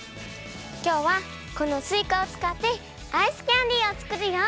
きょうはこのすいかをつかってアイスキャンディーを作るよ。